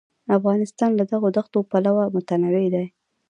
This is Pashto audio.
افغانستان له دغو دښتو پلوه متنوع دی.